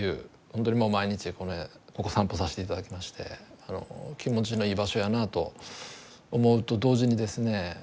本当にもう毎日ここ散歩させて頂きまして気持ちのいい場所やなと思うと同時にですね